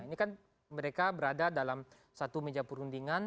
ini kan mereka berada dalam satu meja perundingan